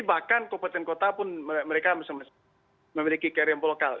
bahkan keputusan kota pun mereka mesin mesin memiliki carry on lokal